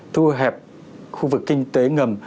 thu hẹp khu vực kinh tế ngầm